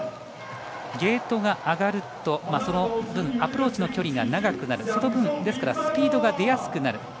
ゲートが上がるとその分、アプローチの距離が長くなる、その分スピードが出やすくなる。